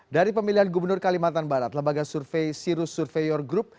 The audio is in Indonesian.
dari pemilihan gubernur kalimantan barat lembaga survei sirus surveyor group